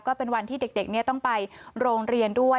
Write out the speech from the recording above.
ก็เป็นวันที่เด็กต้องไปโรงเรียนด้วย